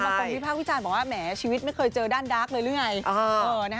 วิพากษ์วิจารณ์บอกว่าแหมชีวิตไม่เคยเจอด้านดาร์กเลยหรือไง